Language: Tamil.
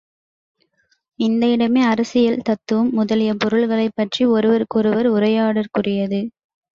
இந்த இடமே அரசியல், தத்துவம் முதலிய பொருள்களைப் பற்றி ஒருவருக்கொருவர் உரையாடற்குரியது.